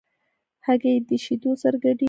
هګۍ د شیدو سره ګډېږي.